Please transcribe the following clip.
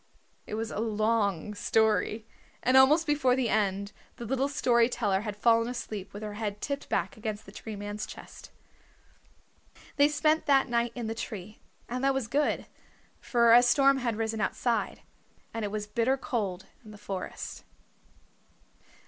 It was a long story. And almost before the end the little story teller had fallen asleep with her head tipped back against the Tree Man's chest. They spent that night in the tree, and that was good, for a storm had risen outside, and it was bitter cold in the forest.